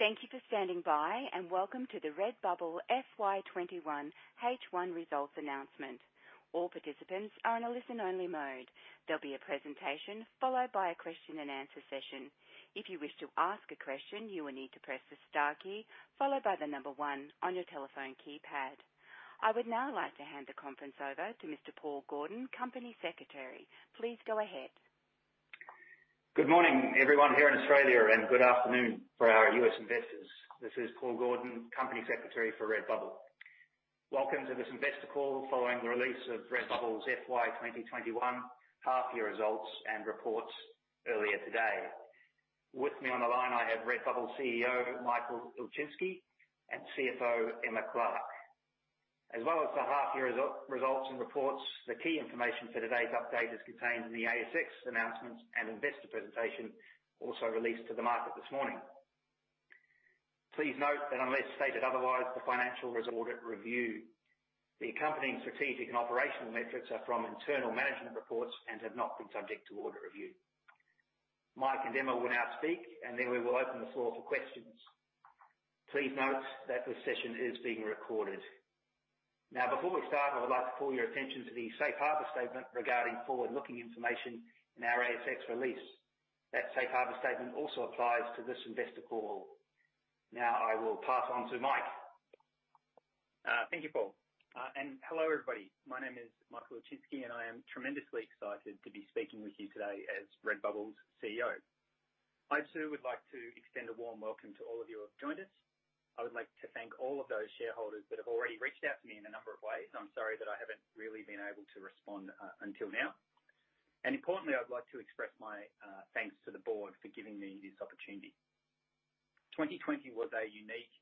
Thank you for standing by, and welcome to the Redbubble FY 2021 H1 results announcement. I would now like to hand the conference over to Mr. Paul Gordon, Company Secretary. Please go ahead. Good morning, everyone here in Australia, and good afternoon for our U.S. investors. This is Paul Gordon, Company Secretary for Redbubble. Welcome to this investor call following the release of Redbubble's FY 2021 half-year results and reports earlier today. With me on the line, I have Redbubble CEO, Michael Ilczynski, and CFO, Emma Clark. As well as the half-year results and reports, the key information for today's update is contained in the ASX announcements and investor presentation also released to the market this morning. Please note that unless stated otherwise, the financial results are audit reviewed. The accompanying strategic and operational metrics are from internal management reports and have not been subject to audit review. Mike and Emma will now speak, and then we will open the floor for questions. Please note that this session is being recorded. Now, before we start, I would like to call your attention to the safe harbor statement regarding forward-looking information in our ASX release. That safe harbor statement also applies to this investor call. Now I will pass on to Mike. Thank you, Paul. Hello, everybody. My name is Michael Ilczynski, and I am tremendously excited to be speaking with you today as Redbubble's CEO. I too would like to extend a warm welcome to all of you who have joined us. I would like to thank all of those shareholders that have already reached out to me in a number of ways. I'm sorry that I haven't really been able to respond until now. Importantly, I'd like to express my thanks to the board for giving me this opportunity. 2020 was a unique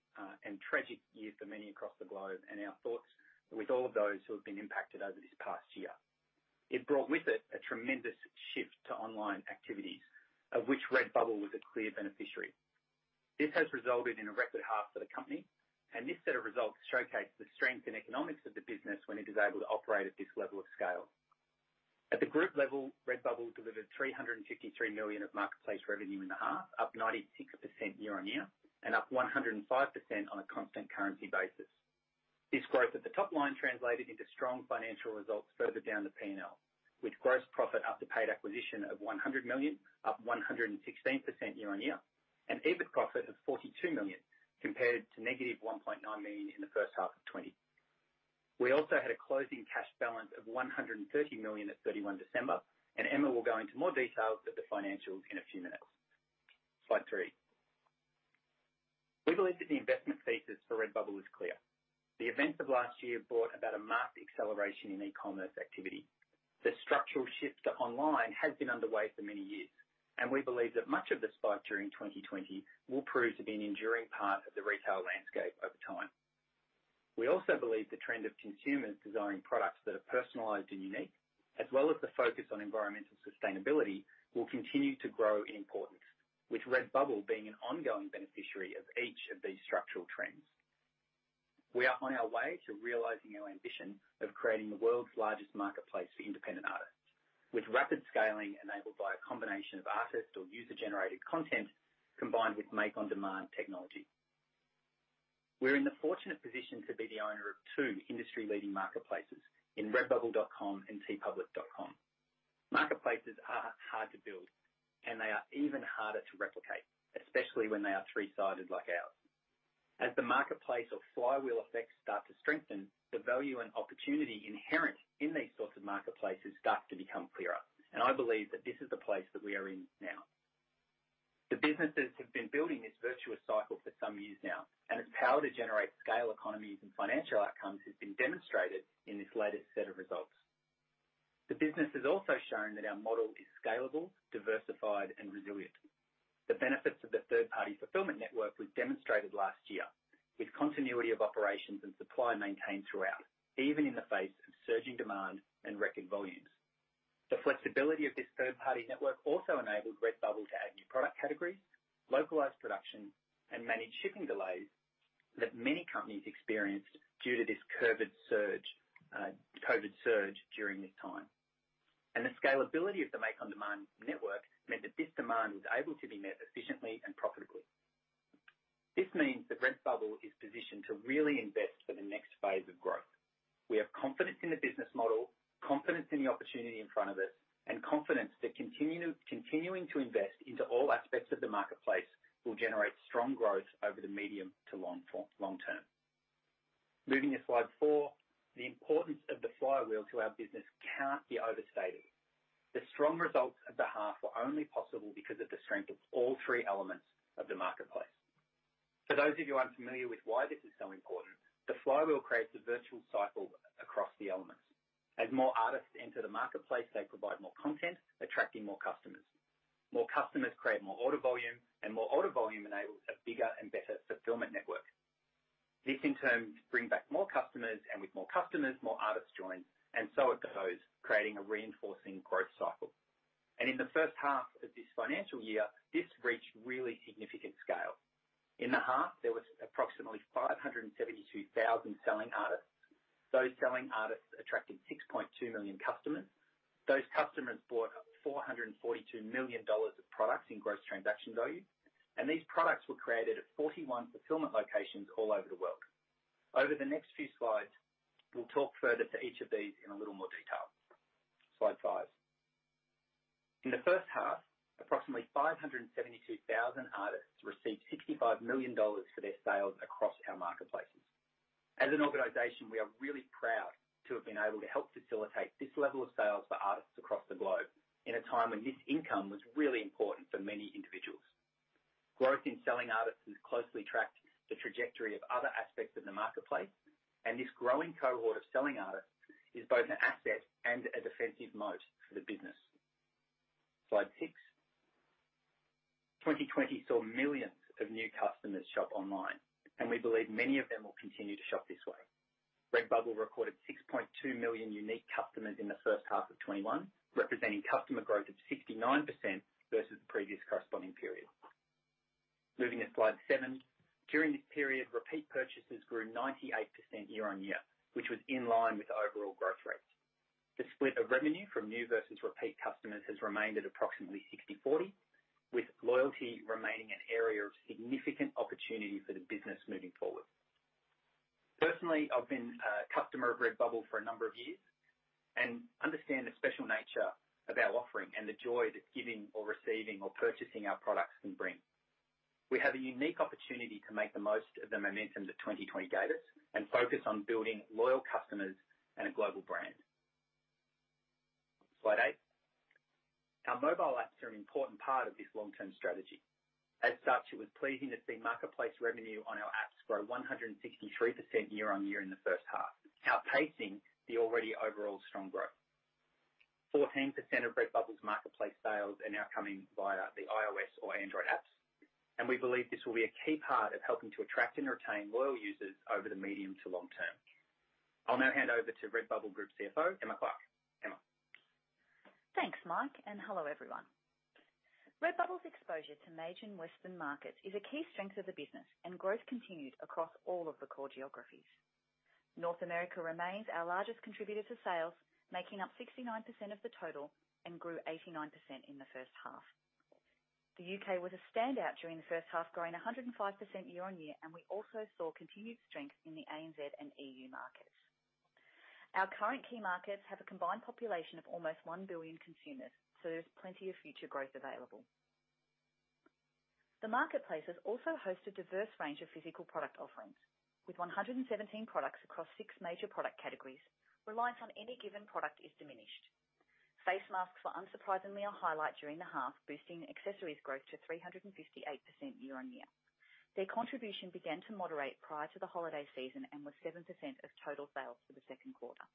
and tragic year for many across the globe, and our thoughts are with all of those who have been impacted over this past year. It brought with it a tremendous shift to online activities, of which Redbubble was a clear beneficiary. This has resulted in a record half for the company. This set of results showcases the strength and economics of the business when it is able to operate at this level of scale. At the group level, Redbubble delivered 353 million of marketplace revenue in the half, up 96% year-on-year and up 105% on a constant currency basis. This growth at the top line translated into strong financial results further down the P&L. With gross profit after paid acquisition of 100 million, up 116% year-on-year, and EBIT profit of 42 million compared to -1.9 million in the first half of 2020. We also had a closing cash balance of 130 million at 31 December. Emma will go into more details of the financials in a few minutes. Slide three. We believe that the investment thesis for Redbubble is clear. The events of last year brought about a marked acceleration in e-commerce activity. The structural shift to online has been underway for many years, and we believe that much of the spike during 2020 will prove to be an enduring part of the retail landscape over time. We also believe the trend of consumers desiring products that are personalized and unique, as well as the focus on environmental sustainability, will continue to grow in importance, with Redbubble being an ongoing beneficiary of each of these structural trends. We are on our way to realizing our ambition of creating the world's largest marketplace for independent artists. With rapid scaling enabled by a combination of artist or user-generated content combined with make-on-demand technology. We're in the fortunate position to be the owner of two industry-leading marketplaces in redbubble.com and teepublic.com. Marketplaces are hard to build and they are even harder to replicate, especially when they are three-sided like ours. As the marketplace or flywheel effects start to strengthen, the value and opportunity inherent in these sorts of marketplaces start to become clearer, and I believe that this is the place that we are in now. The businesses have been building this virtuous cycle for some years now, and its power to generate scale economies and financial outcomes has been demonstrated in this latest set of results. The business has also shown that our model is scalable, diversified and resilient. The benefits of the third-party fulfillment network were demonstrated last year with continuity of operations and supply maintained throughout, even in the face of surging demand and record volumes. The flexibility of this third-party network also enabled Redbubble to add new product categories, localize production, and manage shipping delays that many companies experienced due to this COVID surge during this time. The scalability of the make-on-demand network meant that this demand was able to be met efficiently and profitably. This means that Redbubble is positioned to really invest for the next phase of growth. We have confidence in the business model, confidence in the opportunity in front of us, and confidence that continuing to invest into all aspects of the marketplace will generate strong growth over the medium to long term. Moving to slide four. The importance of the flywheel to our business can't be overstated. The strong results of the half were only possible because of the strength of all three elements of the marketplace. For those of you unfamiliar with why this is so important, the flywheel creates a virtual cycle across the elements. As more artists enter the marketplace, they provide more content, attracting more customers. More customers create more order volume, more order volume enables a bigger and better fulfillment network. This in turn brings back more customers and with more customers, more artists join, and so it goes, creating a reinforcing growth cycle. In the first half of this financial year, this reached really significant scale. 572,000 selling artists. Those selling artists attracted 6.2 million customers. Those customers bought 442 million dollars of products in gross transaction value. These products were created at 41 fulfillment locations all over the world. Over the next few slides, we'll talk further to each of these in a little more detail. Slide five. In the first half, approximately 572,000 artists received 65 million dollars for their sales across our marketplaces. As an organization, we are really proud to have been able to help facilitate this level of sales for artists across the globe in a time when this income was really important for many individuals. Growth in selling artists has closely tracked the trajectory of other aspects of the marketplace, and this growing cohort of selling artists is both an asset and a defensive moat for the business. Slide six. 2020 saw millions of new customers shop online, and we believe many of them will continue to shop this way. Redbubble recorded 6.2 million unique customers in the first half of 2021, representing customer growth of 69% versus the previous corresponding period. Moving to slide seven. During this period, repeat purchases grew 98% year-on-year, which was in line with overall growth rates. The split of revenue from new versus repeat customers has remained at approximately 60/40, with loyalty remaining an area of significant opportunity for the business moving forward. Personally, I've been a customer of Redbubble for a number of years and understand the special nature of our offering and the joy that giving or receiving or purchasing our products can bring. We have a unique opportunity to make the most of the momentum that 2020 gave us and focus on building loyal customers and a global brand. Slide eight. Our mobile apps are an important part of this long-term strategy. As such, it was pleasing to see marketplace revenue on our apps grow 163% year-on-year in the first half, outpacing the already overall strong growth. 14% of Redbubble's marketplace sales are now coming via the iOS or Android apps, and we believe this will be a key part of helping to attract and retain loyal users over the medium to long term. I'll now hand over to Redbubble Group CFO, Emma Clark. Emma. Thanks, Mike, and hello, everyone. Redbubble's exposure to major Western markets is a key strength of the business, and growth continued across all of the core geographies. North America remains our largest contributor to sales, making up 69% of the total and grew 89% in the first half. The U.K. was a standout during the first half, growing 105% year-on-year, and we also saw continued strength in the ANZ and EU markets. Our current key markets have a combined population of almost 1 billion consumers, so there's plenty of future growth available. The marketplace has also hosted a diverse range of physical product offerings. With 117 products across six major product categories, reliance on any given product is diminished. Face masks were unsurprisingly a highlight during the half, boosting accessories growth to 358% year-on-year. Their contribution began to moderate prior to the holiday season and was 7% of total sales for the second quarter.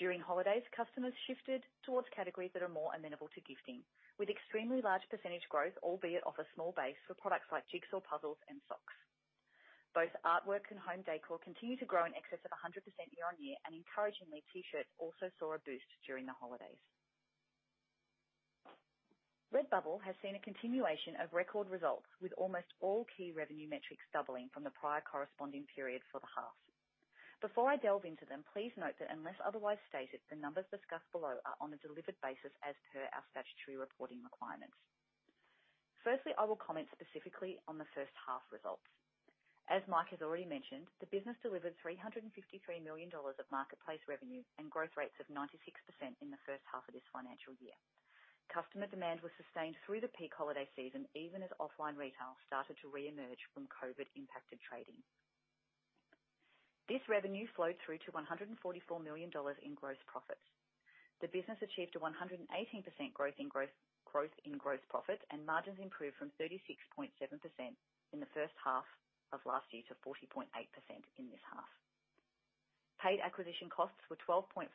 During holidays, customers shifted towards categories that are more amenable to gifting, with extremely large percentage growth, albeit off a small base, for products like jigsaw puzzles and socks. Both artwork and home décor continue to grow in excess of 100% year-on-year, and encouragingly, T-shirts also saw a boost during the holidays. Redbubble has seen a continuation of record results, with almost all key revenue metrics doubling from the prior corresponding period for the half. Before I delve into them, please note that unless otherwise stated, the numbers discussed below are on a delivered basis as per our statutory reporting requirements. Firstly, I will comment specifically on the first half results. As Mike has already mentioned, the business delivered 353 million dollars of marketplace revenue and growth rates of 96% in the first half of this financial year. Customer demand was sustained through the peak holiday season, even as offline retail started to reemerge from COVID-impacted trading. This revenue flowed through to 144 million dollars in gross profits. The business achieved a 118% growth in gross profit, and margins improved from 36.7% in the first half of last year to 40.8% in this half. Paid acquisition costs were 12.5%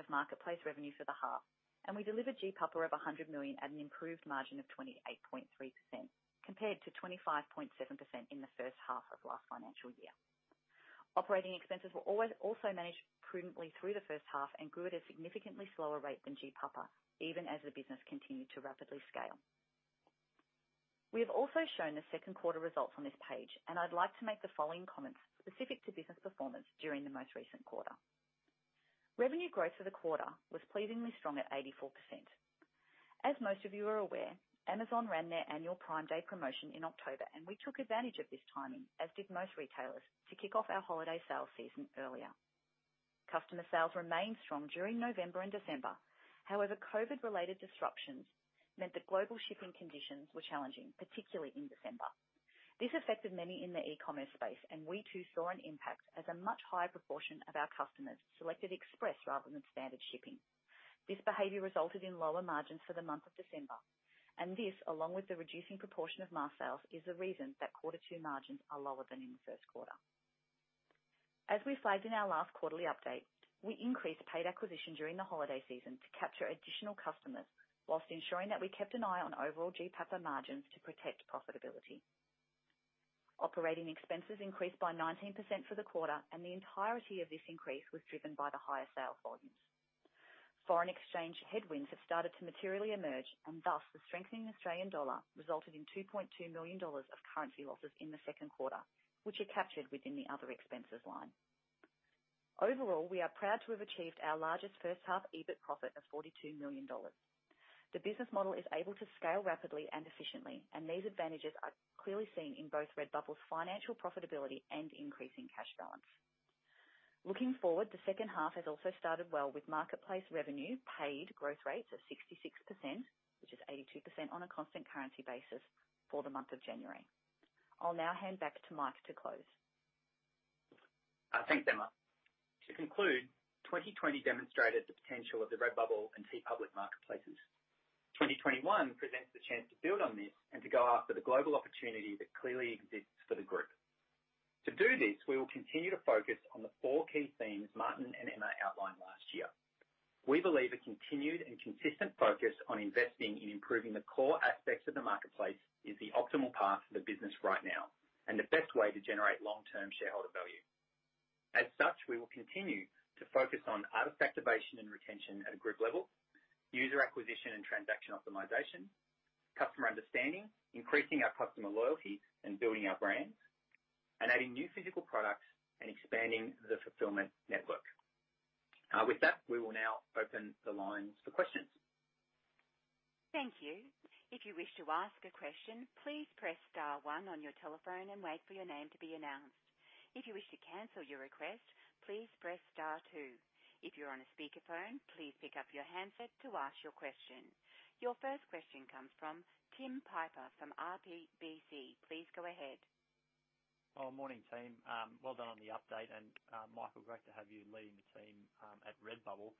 of marketplace revenue for the half, and we delivered GPAPA of 100 million at an improved margin of 28.3%, compared to 25.7% in the first half of last financial year. Operating expenses were also managed prudently through the first half and grew at a significantly slower rate than GPAPA, even as the business continued to rapidly scale. We have also shown the second quarter results on this page, and I'd like to make the following comments specific to business performance during the most recent quarter. Revenue growth for the quarter was pleasingly strong at 84%. As most of you are aware, Amazon ran their annual Prime Day promotion in October, and we took advantage of this timing, as did most retailers, to kick off our holiday sales season earlier. Customer sales remained strong during November and December. However, COVID-related disruptions meant that global shipping conditions were challenging, particularly in December. This affected many in the e-commerce space, and we too saw an impact as a much higher proportion of our customers selected express rather than standard shipping. This behavior resulted in lower margins for the month of December, and this, along with the reducing proportion of mask sales, is the reason that Q2 margins are lower than in the Q1. As we flagged in our last quarterly update, we increased paid acquisition during the holiday season to capture additional customers while ensuring that we kept an eye on overall GPAPA margins to protect profitability. Operating expenses increased by 19% for the quarter, and the entirety of this increase was driven by the higher sales volumes. Foreign exchange headwinds have started to materially emerge, and thus the strengthening Australian dollar resulted in 2.2 million dollars of currency losses in the Q2, which are captured within the other expenses line. Overall, we are proud to have achieved our largest first half EBIT profit of 42 million dollars. The business model is able to scale rapidly and efficiently. These advantages are clearly seen in both Redbubble's financial profitability and increasing cash balance. Looking forward, the second half has also started well with marketplace revenue paid growth rates of 66%, which is 82% on a constant currency basis for the month of January. I'll now hand back to Mike to close. Thanks, Emma. To conclude, 2020 demonstrated the potential of the Redbubble and TeePublic marketplaces. 2021 presents the chance to build on this and to go after the global opportunity that clearly exists for the group. To do this, we will continue to focus on the four key themes Martin and Emma outlined last year. We believe a continued and consistent focus on investing in improving the core aspects of the marketplace is the optimal path for the business right now, and the best way to generate long-term shareholder value. As such, we will continue to focus on artist activation and retention at a group level, user acquisition and transaction optimization, customer understanding, increasing our customer loyalty and building our brands, and adding new physical products and expanding the fulfillment network. With that, we will now open the lines for questions. Thank you. Your first question comes from Tim Piper from RBC. Please go ahead. Morning, team. Well done on the update. Michael, great to have you leading the team at Redbubble.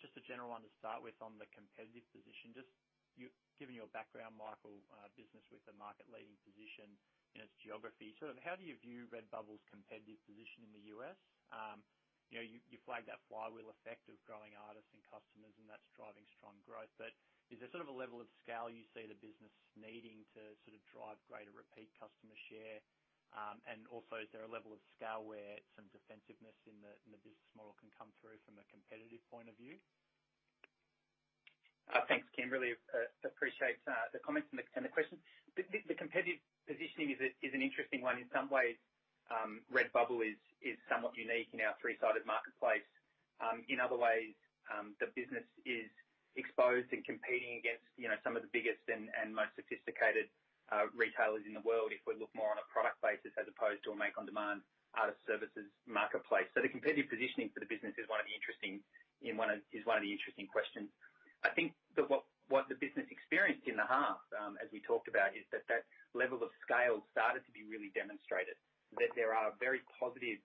Just a general one to start with on the competitive position. Just given your background, Michael, business with the market-leading position in its geography, how do you view Redbubble's competitive position in the U.S.? You flagged that flywheel effect of growing artists and customers, and that's driving strong growth. Is there a level of scale you see the business needing to drive greater repeat customer share? Also, is there a level of scale where some defensiveness in the business model can come through from a competitive point of view? Thanks, Tim. Really appreciate the comments and the question. The competitive positioning is an interesting one. In some ways, Redbubble is somewhat unique in our three-sided marketplace. In other ways, the business is exposed and competing against some of the biggest and most sophisticated retailers in the world, if we look more on a product basis as opposed to a make-on-demand artist services marketplace. The competitive positioning for the business is one of the interesting questions. I think that what the business experienced in the half, as we talked about, is that that level of scale started to be really demonstrated. That there are very positive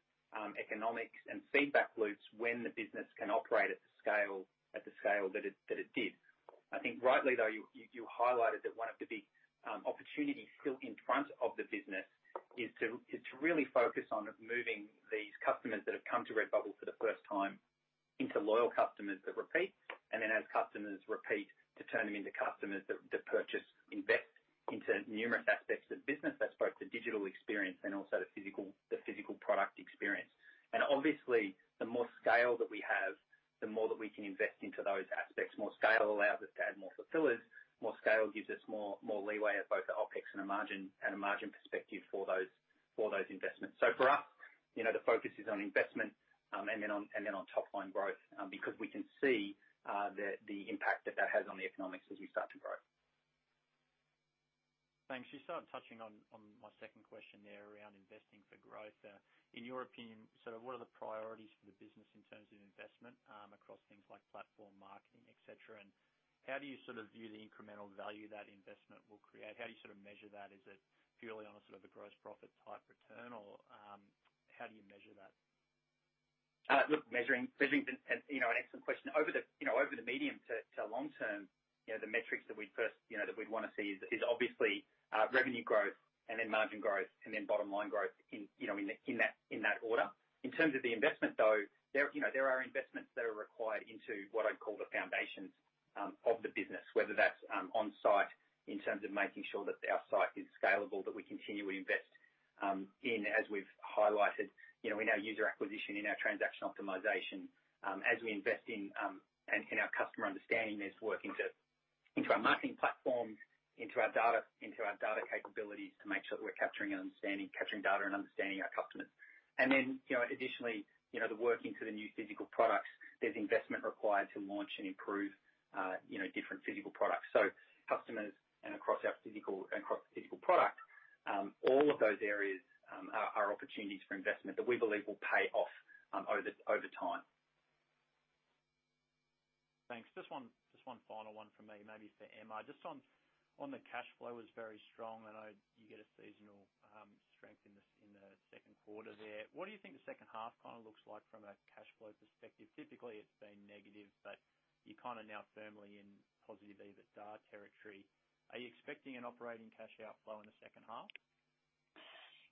economics and feedback loops when the business can operate at the scale that it did. I think rightly, though, you highlighted that one of the big opportunities still in front of the business is to really focus on moving these customers that have come to Redbubble for the first time into loyal customers that repeat. As customers repeat, to turn them into customers that purchase, invest into numerous aspects of the business. That's both the digital experience and also the physical product experience. Obviously, the more scale that we have, the more that we can invest into those aspects. More scale allows us to add more fulfillers. More scale gives us more leeway at both the OpEx and a margin perspective for those investments. For us, the focus is on investment, and then on top-line growth because we can see the impact that has on the economics as we start to grow. Thanks. You started touching on my second question there around investing for growth. In your opinion, what are the priorities for the business in terms of investment across things like platform marketing, et cetera? How do you view the incremental value that investment will create? How do you measure that? Is it purely on a gross profit-type return? How do you measure that? An excellent question. Over the medium to long term, the metrics that we'd want to see is obviously revenue growth and then margin growth, and then bottom-line growth in that order. In terms of the investment, though, there are investments that are required into what I'd call the foundations of the business. Whether that's on-site in terms of making sure that our site is scalable, that we continually invest in, as we've highlighted, in our user acquisition, in our transaction optimization. As we invest in our customer understanding, there's work into our marketing platform, into our data capabilities to make sure that we're capturing and understanding, capturing data, and understanding our customers. Additionally, the work into the new physical products. There's investment required to launch and improve different physical products. Customers and across the physical product, all of those areas are opportunities for investment that we believe will pay off over time. Thanks. Just one final one from me, maybe for Emma. Just on the cash flow was very strong. I know you get a seasonal strength in the second quarter there. What do you think the second half kind of looks like from a cash flow perspective? Typically, it's been negative, but you're kind of now firmly in positive EBITDA territory. Are you expecting an operating cash outflow in the second half?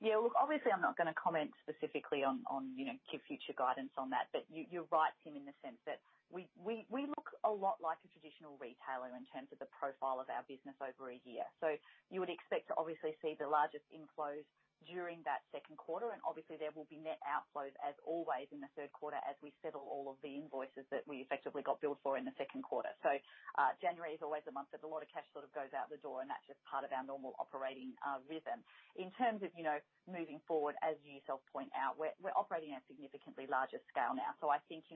Look, obviously, I'm not going to comment specifically on future guidance on that. You're right, Tim, in the sense that we look a lot like a traditional retailer in terms of the profile of our business over a year. You would expect to obviously see the largest inflows during that second quarter, and obviously there will be net outflows as always in the third quarter as we settle all of the invoices that we effectively got billed for in the second quarter. January is always a month that a lot of cash sort of goes out the door, and that's just part of our normal operating rhythm. In terms of moving forward, as you yourself point out, we're operating at a significantly larger scale now. I think,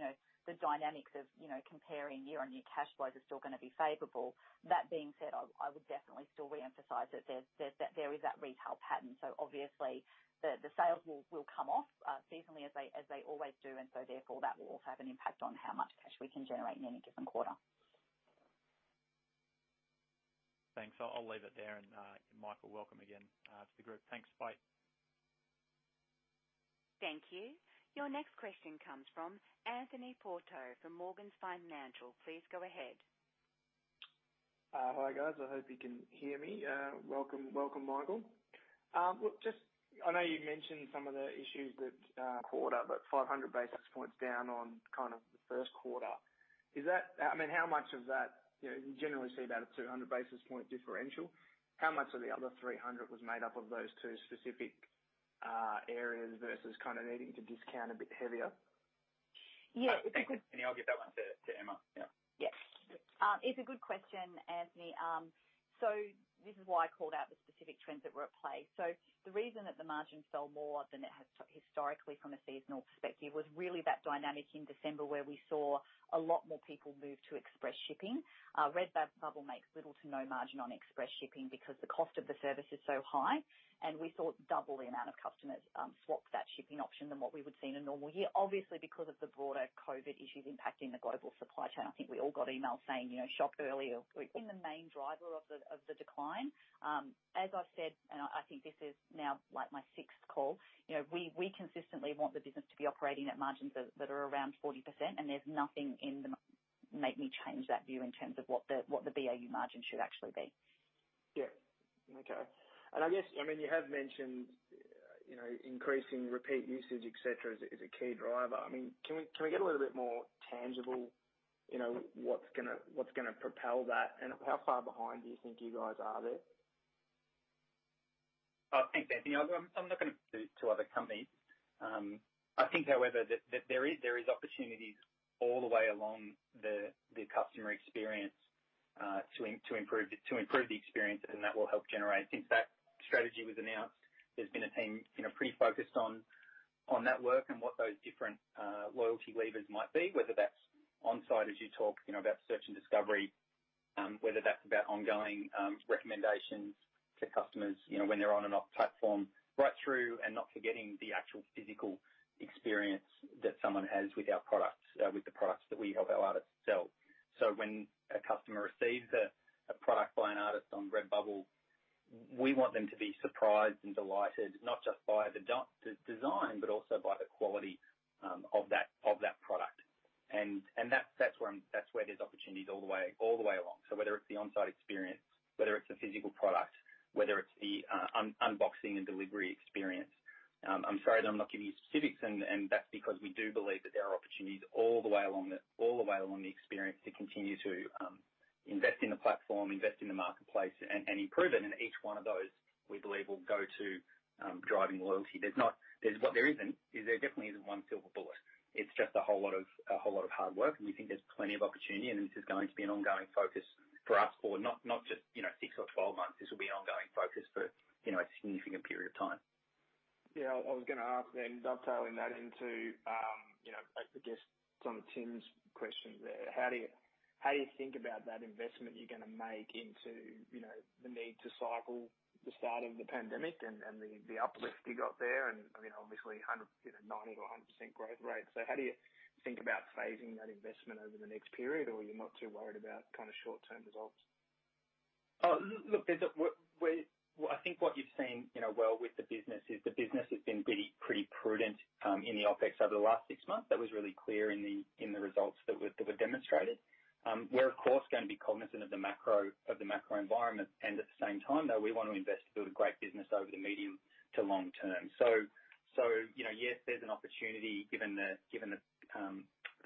the dynamics of comparing year-on-year cash flows are still going to be favorable. That being said, I would definitely still reemphasize that there is that retail pattern. Obviously the sales will come off seasonally as they always do. Therefore, that will also have an impact on how much cash we can generate in any given quarter. Thanks. I'll leave it there. Michael, welcome again to the Group. Thanks, bye. Thank you. Your next question comes from Anthony Porto from Morgans Financial. Please go ahead. Hi, guys. I hope you can hear me. Welcome, Michael. I know you mentioned some of the issues that quarter, 500 basis points down on kind of the first quarter. How much of that, you generally see about a 200 basis point differential? How much of the other 300 was made up of those two specific areas versus kind of needing to discount a bit heavier? Yeah. Thanks, Anthony. I'll give that one to Emma. Yeah. Yes. It's a good question, Anthony. This is why I called out the specific trends that were at play. The reason that the margins fell more than it has historically from a seasonal perspective was really that dynamic in December where we saw a lot more people move to express shipping. Redbubble makes little to no margin on express shipping because the cost of the service is so high, and we saw double the amount of customers swap that shipping option than what we would see in a normal year. Obviously, because of the broader COVID issues impacting the global supply chain. I think we all got emails saying, "Shop early." It's been the main driver of the decline. As I've said, and I think this is now like my sixth call. We consistently want the business to be operating at margins that are around 40%, and there's nothing that makes me change that view in terms of what the BAU margin should actually be. Yeah. Okay. I guess, you have mentioned increasing repeat usage, et cetera, is a key driver. Can we get a little bit more tangible, what's gonna propel that, and how far behind do you think you guys are there? I think, Anthony, I'm not going to speak to other companies. I think, however, that there is opportunities all the way along think about that investment you're going to make into the need to cycle the start of the pandemic and the uplift you got there, and obviously 90% or 100% growth rate. How do you think about phasing that investment over the next period, or are you not too worried about kind of short-term results? I think what you've seen well with the business is the business has been pretty prudent in the OpEx over the last six months. That was really clear in the results that were demonstrated. We're of course, going to be cognizant of the macro environment, and at the same time, though, we want to invest to build a great business over the medium to long term. Yes, there's an opportunity given the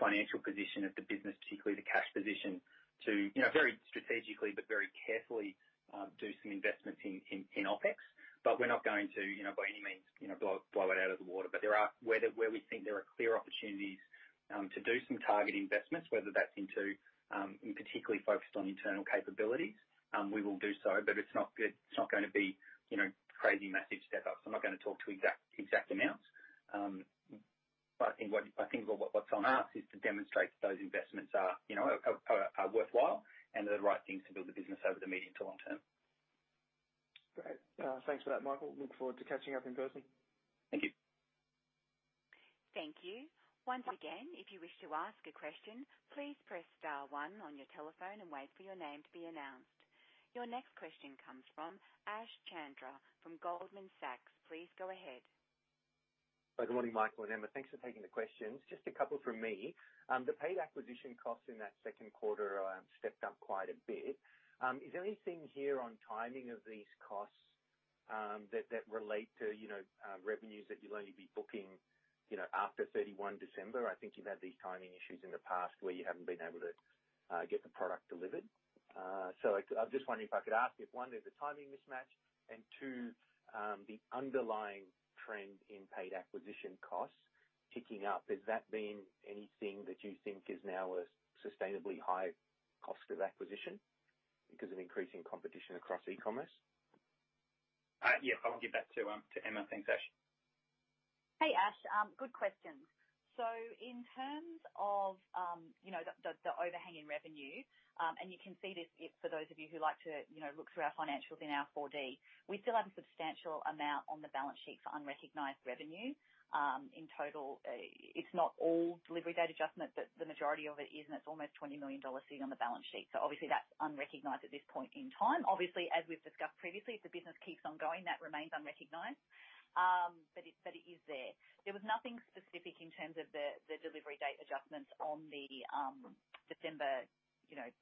financial position of the business, particularly the cash position to very strategically but very carefully do some investments in OpEx. We're not going to by any means blow it out of the water. Where we think there are clear opportunities to do some target investments, whether that's into, and particularly focused on internal capabilities. We will do so, but it's not going to be crazy massive step-ups. I'm not going to talk to exact amounts. I think what's on us is to demonstrate that those investments are worthwhile and are the right things to build the business over the medium to long term. Great. Thanks for that, Michael. Look forward to catching up in person. Thank you. Thank you. Once again, if you wish to ask a question, please press star one on your telephone and wait for your name to be announced. Your next question comes from Ash Chandra from Goldman Sachs. Please go ahead. Good morning, Michael and Emma. Thanks for taking the questions. Just a couple from me. The paid acquisition costs in that second quarter stepped up quite a bit. Is there anything here on timing of these costs that relate to revenues that you'll only be booking after 31 December? I think you've had these timing issues in the past where you haven't been able to get the product delivered. I'm just wondering if I could ask if, one, there's a timing mismatch, and two, the underlying trend in paid acquisition costs ticking up. Has that been anything that you think is now a sustainably high cost of acquisition because of increasing competition across e-commerce? Yeah. I'll give that to Emma. Thanks, Ash. Hey, Ash. Good questions. In terms of the overhanging revenue, and you can see this if, for those of you who like to look through our financials in our 4D, we still have a substantial amount on the balance sheet for unrecognized revenue. In total, it's not all delivery date adjustment, but the majority of it is, and it's almost 20 million dollars sitting on the balance sheet. Obviously that's unrecognized at this point in time. Obviously, as we've discussed previously, if the business keeps on going, that remains unrecognized. It is there. There was nothing specific in terms of the delivery date adjustments on the December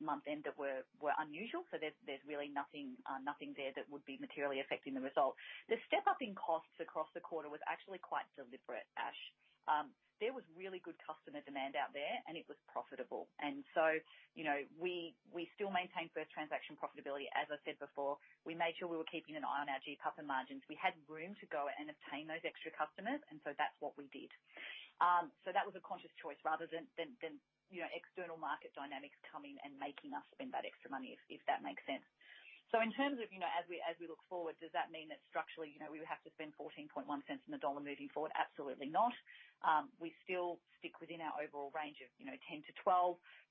month-end that were unusual. There's really nothing there that would be materially affecting the result. The step-up in costs across the quarter was actually quite deliberate, Ash. There was really good customer demand out there, and it was profitable. We still maintain first transaction profitability. As I said before, we made sure we were keeping an eye on our GPAPA and margins. We had room to go and obtain those extra customers, that's what we did. That was a conscious choice rather than external market dynamics coming and making us spend that extra money, if that makes sense. In terms of as we look forward, does that mean that structurally, we would have to spend 0.141 on the dollar moving forward? Absolutely not. We still stick within our overall range of 10%-12%.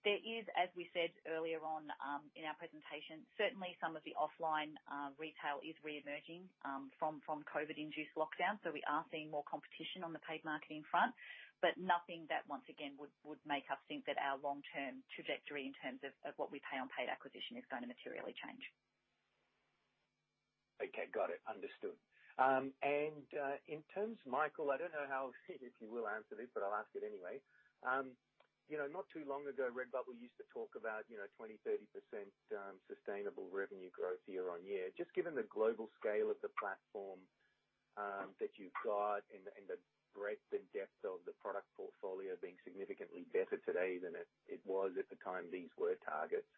There is, as we said earlier on in our presentation, certainly some of the offline retail is reemerging from COVID-induced lockdown. We are seeing more competition on the paid marketing front, but nothing that, once again, would make us think that our long-term trajectory in terms of what we pay on paid acquisition is going to materially change. Okay. Got it. Understood. In terms, Michael, I don't know if you will answer this, but I'll ask it anyway. Not too long ago, Redbubble used to talk about 20%, 30% sustainable revenue growth year-on-year. Just given the global scale of the platform that you've got and the breadth and depth of the product portfolio being significantly better today than it was at the time these were targets.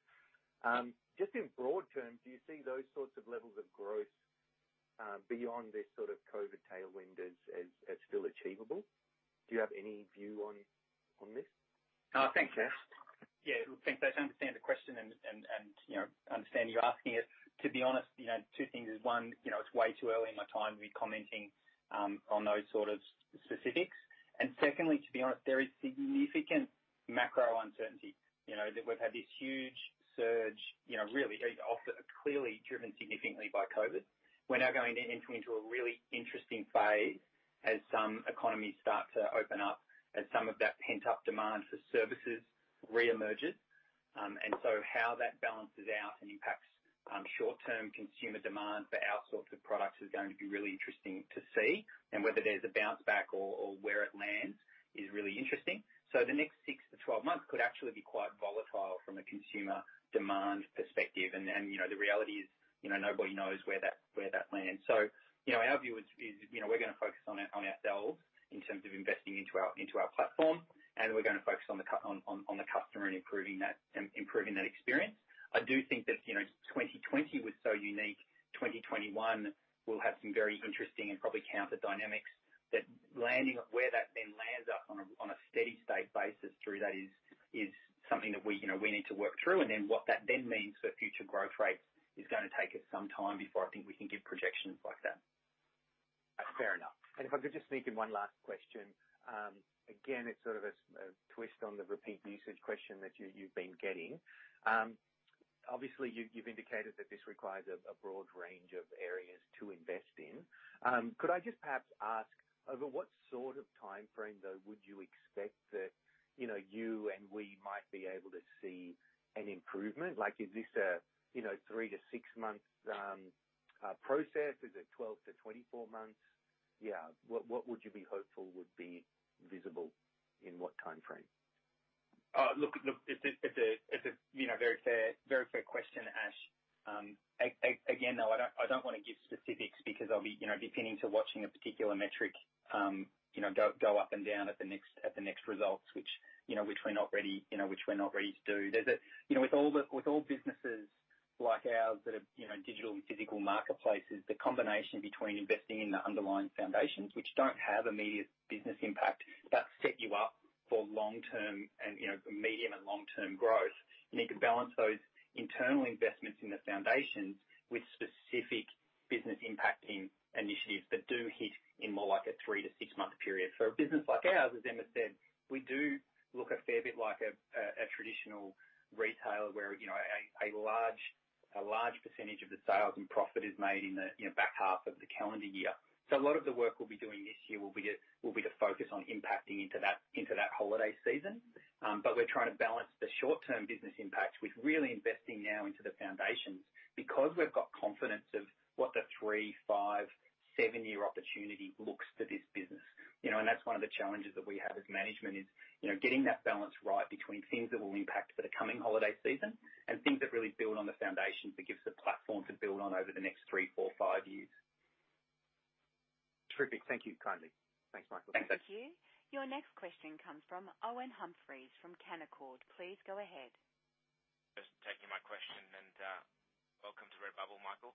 Just in broad terms, do you see those sorts of levels of growth beyond this COVID tailwind as still achievable? Do you have any view on this? Thanks, Ash. Yeah. Look, thanks. I understand the question and understand you're asking it. To be honest, two things. One, it's way too early in my time to be commenting on those sort of specifics. Secondly, to be honest, there is significant macro uncertainty. That we've had this huge surge, really clearly driven significantly by COVID. We're now going to enter into a really interesting phase as some economies start to open up, as some of that pent-up demand for services reemerges. How that balances out and impacts short-term consumer demand for our sorts of products is going to be really interesting to see. Whether there's a bounce back or where it lands is really interesting. The next 6-12 months could actually be quite volatile from a consumer demand perspective. The reality is, nobody knows where that lands. Our view is we're going to focus on ourselves in terms of investing into our platform, and we're going to focus on the customer and improving that experience. I do think that 2020 was so unique. 2021 will have some very interesting and probably counter dynamics that where that then lands us on a steady state basis through that is something that we need to work through. What that then means for future growth rates is going to take us some time before I think we can give projections like that. Fair enough. If I could just sneak in one last question. Again, it's sort of a twist on the repeat usage question that you've been getting. Obviously, you've indicated that this requires a broad range of areas to invest in. Could I just perhaps ask, over what sort of timeframe, though, would you expect that you and we might be able to see an improvement? Is this a three to six-month process? Is it 12-24 months? Yeah. What would you be hopeful would be visible in what timeframe? Look, it's a very fair question, Ash. Again, though, I don't want to give specifics because I'll be pinning to watching a particular metric go up and down at the next results, which we're not ready to do. With all businesses like ours that are digital and physical marketplaces, the combination between investing in the underlying foundations, which don't have immediate business impact, but set you up for medium and long-term growth. You need to balance those internal investments in the foundations with specific business-impacting initiatives that do hit in more like a three to six-month period. For a business like ours, as Emma said, we do look a fair bit like a traditional retailer where a large percentage of the sales and profit is made in the back half of the calendar year. A lot of the work we'll be doing this year will be to focus on impacting into that holiday season. We're trying to balance the short-term business impact with really investing now into the foundations because we've got confidence of what the three, five, seven-year opportunity looks for this business. That's one of the challenges that we have as management is getting that balance right between things that will impact for the coming holiday season and things that really build on the foundations that gives the platform to build on over the next three, four, five years. Terrific. Thank you kindly. Thanks, Michael. Thank you. Thank you. Your next question comes from Owen Humphries from Canaccord. Please go ahead. Just taking my question and welcome to Redbubble, Michael.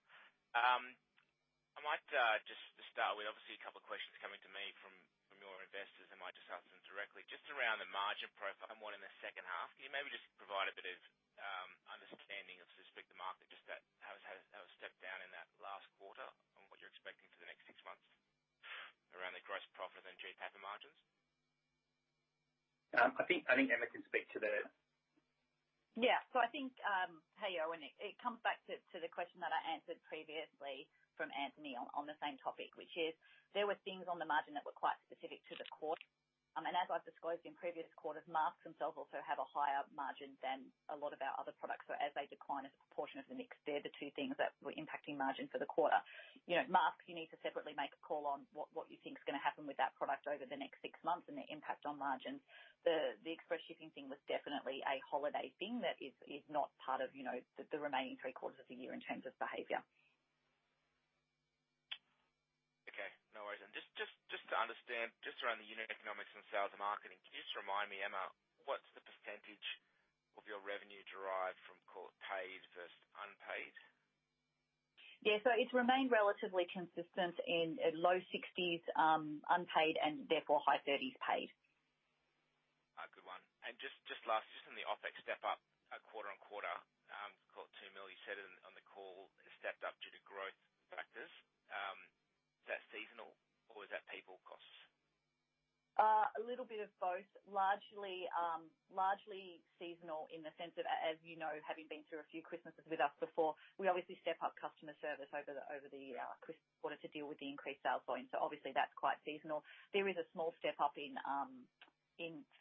I might just start with obviously a couple of questions coming to me from your investors, I might just ask them directly. Just around the margin profile, more in the second half. Can you maybe just provide a bit of understanding of, so to speak, the margin, just that has stepped down in that last quarter and what you're expecting for the next six months around the gross profit and GPAPA margins? I think Emma can speak to that. Yeah. I think, hey, Owen, it comes back to the question that I answered previously from Anthony on the same topic, which is there were things on the margin that were quite specific to the quarter. As I've disclosed in previous quarters, masks themselves also have a higher margin than a lot of our other products. As they decline as a proportion of the mix, they're the two things that were impacting margin for the quarter. Masks, you need to separately make a call on what you think is going to happen with that product over the next six months and the impact on margins. The express shipping thing was definitely a holiday thing that is not part of the remaining three quarters of the year in terms of behavior. Okay. No worries. Just to understand, just around the unit economics and sales and marketing, can you just remind me, Emma, what's the percentage of your revenue derived from, call it, paid versus unpaid? Yeah. It's remained relatively consistent in low 60s unpaid and therefore high 30s paid. Good one. Just last, just on the OpEx step-up quarter-on-quarter, call it 2 million, you said it on the call, stepped up due to growth factors. Is that seasonal or is that people costs? A little bit of both. Largely seasonal in the sense that, as you know, having been through a few Christmases with us before, we obviously step up customer service over the Christmas quarter to deal with the increased sales volume. Obviously that's quite seasonal. There is a small step-up in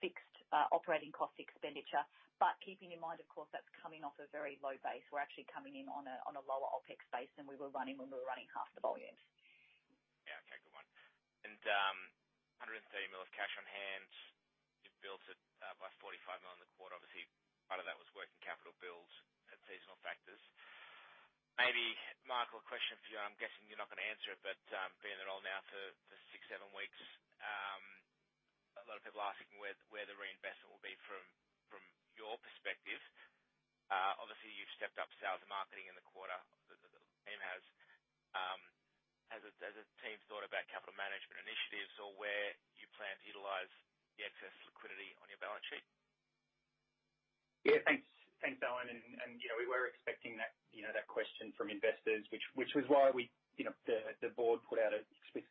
fixed operating cost expenditure, but keeping in mind, of course, that's coming off a very low base. We're actually coming in on a lower OpEx base than we were running when we were running half the volume. Yeah. Okay. Good one. 130 million of cash on hand. You've built it by 45 million in the quarter. Obviously, part of that was working capital build and seasonal factors. Maybe, Michael, a question for you. I'm guessing you're not going to answer it, but being in the role now for six, seven weeks, a lot of people are asking where the reinvestment will be from your perspective. Obviously, you've stepped up sales and marketing in the quarter. The team has. Has the team thought about capital management initiatives or where you plan to utilize the excess liquidity on your balance sheet? Yeah. Thanks. Thanks, Owen. We were expecting that question from investors, which was why the board put out an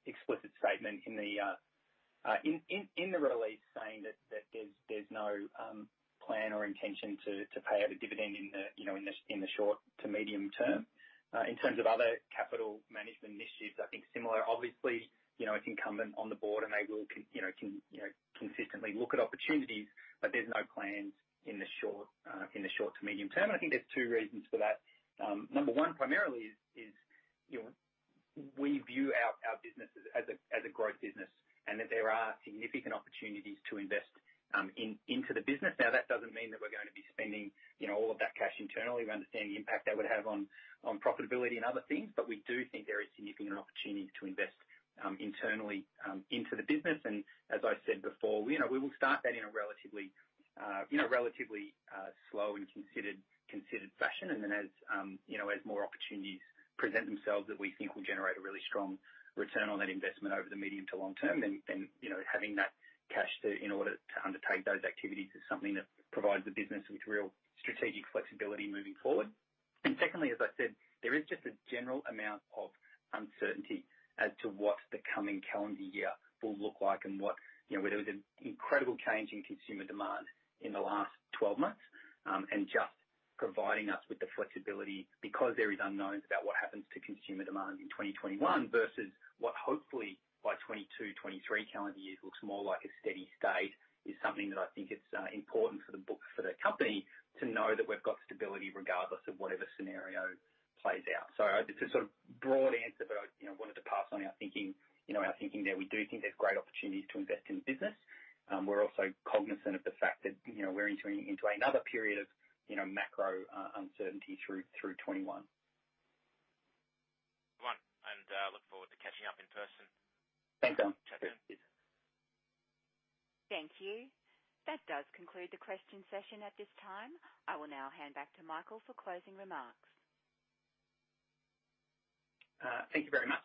explicit statement in the release saying that there's no plan or intention to pay out a dividend in the short to medium term. In terms of other capital management initiatives, I think similar. Obviously, it's incumbent on the board, and they will consistently look at opportunities, but there's no plans in the short to medium term. I think there's two reasons for that. Number one, primarily is we view our business as a growth business and that there are significant opportunities to invest into the business. Now, that doesn't mean that we're going to be spending all of that cash internally. We understand the impact that would have on profitability and other things. We do think there is significant opportunities to invest internally into the business. As I said before, we will start that in a relatively slow and considered fashion. As more opportunities present themselves that we think will generate a really strong return on that investment over the medium to long term, then having that cash in order to undertake those activities is something that provides the business with real strategic flexibility moving forward. Secondly, as I said, there is just a general amount of uncertainty as to what the coming calendar year will look like and There was an incredible change in consumer demand in the last 12 months, and just providing us with the flexibility because there is unknowns about what happens to consumer demand in 2021 versus what hopefully by 2022, 2023 calendar years looks more like a steady state is something that I think it's important for the company to know that we've got stability regardless of whatever scenario plays out. It's a sort of broad answer, but I wanted to pass on our thinking. Our thinking there, we do think there's great opportunities to invest in the business. We're also cognizant of the fact that we're entering into another period of macro uncertainty through 2021. Good one, and I look forward to catching up in person. Thanks, Owen. Cheers. Thank you. That does conclude the question session at this time. I will now hand back to Michael for closing remarks. Thank you very much.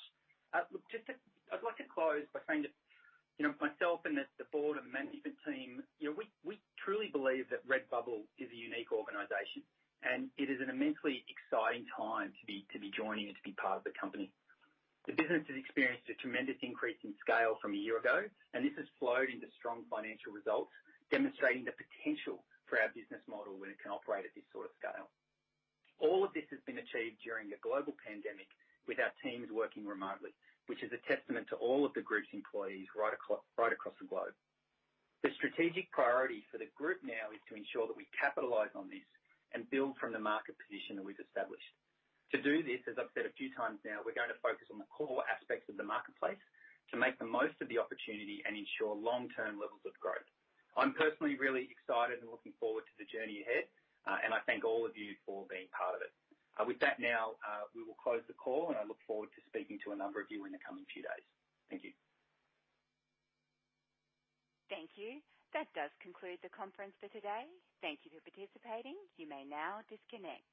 I'd like to close by saying that myself and the board and management team, we truly believe that Redbubble is a unique organization, and it is an immensely exciting time to be joining and to be part of the company. The business has experienced a tremendous increase in scale from a year ago, and this has flowed into strong financial results, demonstrating the potential for our business model when it can operate at this sort of scale. All of this has been achieved during a global pandemic with our teams working remotely, which is a testament to all of the group's employees right across the globe. The strategic priority for the group now is to ensure that we capitalize on this and build from the market position that we've established. To do this, as I've said a few times now, we're going to focus on the core aspects of the marketplace to make the most of the opportunity and ensure long-term levels of growth. I'm personally really excited and looking forward to the journey ahead, and I thank all of you for being part of it. With that now, we will close the call, and I look forward to speaking to a number of you in the coming few days. Thank you. Thank you. That does conclude the conference for today. Thank you for participating. You may now disconnect.